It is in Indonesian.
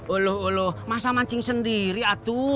olah olah masa mancing sendiri atu